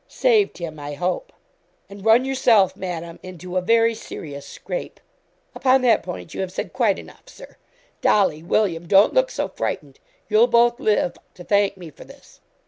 'Saved him, I hope.' 'And run yourself, Madam, into a very serious scrape.' 'Upon that point you have said quite enough, Sir. Dolly, William, don't look so frightened; you'll both live to thank me for this.'